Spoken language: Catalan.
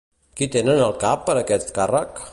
Qui tenen al cap per a aquest càrrec?